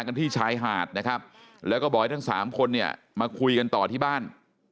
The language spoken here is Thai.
กันที่ชายห่าดและก็บอกทั้ง๓คนมาคุยกันต่อที่บ้าน